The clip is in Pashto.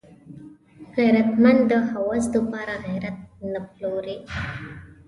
غیرتمند د هوس د پاره غیرت نه پلوري